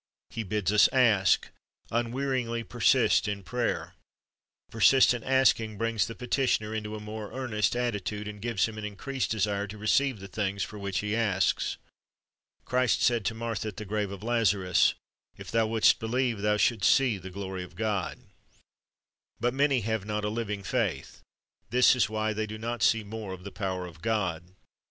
He bids us ask. Unwearyingly persist in prayer. The persistent asking brings the petitioner into a more earnest attitude, and gives him an increased desire to receive the things for which he asks. Christ said to Martha at the grave of Lazarus, "If thou wouldst believe, thou shouldst see the glory of God."^ But many have not a living faith. This is why they do not see more of the power of God.